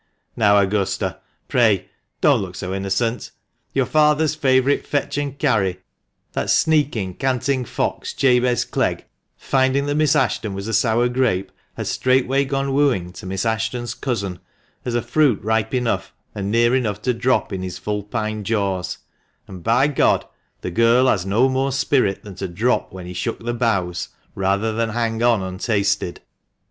"Now, Augusta, pray don't look so innocent! Your father's favourite fetch and carry, that sneaking, canting fox, Jabez Clegg, finding that Miss Ashton was a sour grape, has straightway gone wooing to Miss Ashton's cousin as fruit ripe enough and near enough to drop into his vulpine jaws, and, by G , the girl has had no more spirit than to drop when he shook the boughs, rather than hang on untasted